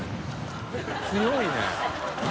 強いね。